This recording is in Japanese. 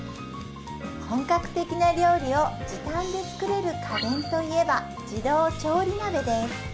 本格的な料理を時短で作れる家電といえば自動調理鍋です